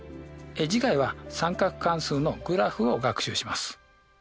次回は「三角関数のグラフ」を学習します。